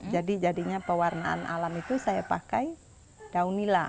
jadi jadinya pewarnaan alam itu saya pakai daun nila